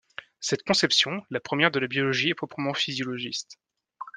Cette conception, la première de la biologie, est proprement physiologiste.